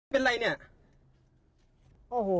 เป็นอะไรเนี่ย